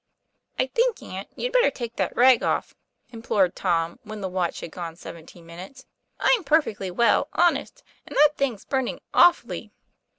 'I think, aunt, you'd better take that rag off," implored Tom, when the watch had gone seventeen minutes. 'I'm perfectly well, honest; and that thing's burning awfully."